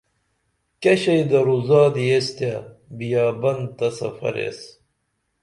کیہ شئی دور زادی ایس تے بیابن تہ سفر ایس